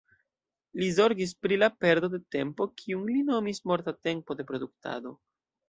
Li zorgis pri la perdo de tempo, kiun li nomis morta tempo de produktado.